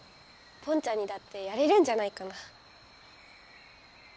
ポンちゃんにだってやれるんじゃないかな。